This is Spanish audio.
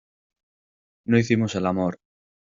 no hicimos el amor.